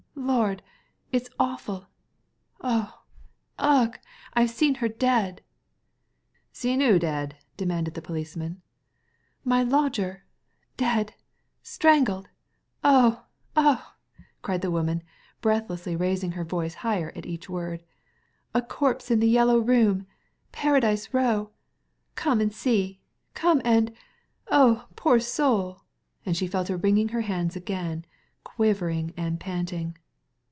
''Lordl it's awful! Ugh! Ugh! I've seen her dead !" ''Seen '00 dead?" demanded the policeman, stolidly. ••My lodger! Dead! Strangled! Ugh! Ugh!" cried the woman, breathlessly, raising her voice higher at each word. ''A corpse in the Yellow Room! Paradise Row ! Come and see— come and Oh, poor soul !" and she fell to wringing her hands again, quivering and panting.